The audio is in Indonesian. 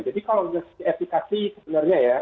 jadi kalau di etikasi sebenarnya ya